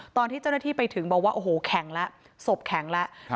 ตอนที่เจ้าหน้าที่ไปถึงบอกว่าโอ้โหแข็งแล้วศพแข็งแล้ว